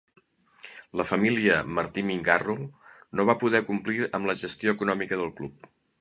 La família Martí Mingarro no va poder complir amb la gestió econòmica del club.